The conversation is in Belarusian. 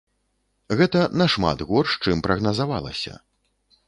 Гэта нашмат горш, чым прагназавалася.